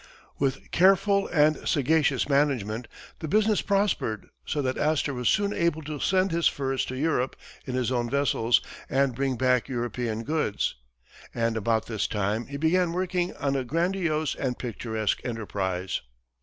With careful and sagacious management, the business prospered so that Astor was soon able to send his furs to Europe in his own vessels, and bring back European goods. And about this time, he began working on a grandiose and picturesque enterprise.